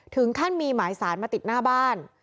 ถึงขั้นมีหมายสารมาติดหน้าบ้าน